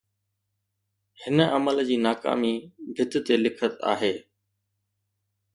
هن عمل جي ناڪامي ڀت تي لکت آهي.